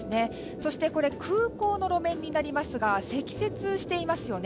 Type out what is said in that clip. そして、空港の路面になりますが積雪していますよね。